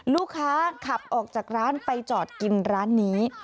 ลูกค้าขับออกจากร้านไปจอดกินร้านนี้